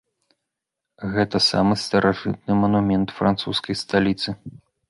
Гэта самы старажытны манумент французскай сталіцы.